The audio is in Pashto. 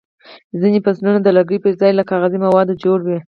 ځینې پنسلونه د لرګیو پر ځای له کاغذي موادو جوړ وي.